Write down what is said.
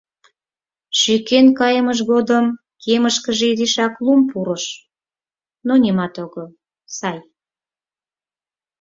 Шӱкен кайымыж годым кемышкыже изишак лум пурыш, но нимат огыл, сай.